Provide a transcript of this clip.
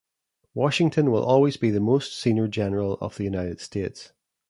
Washington will always be the most senior general of the United States.